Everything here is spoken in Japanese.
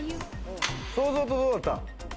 想像とどうだった？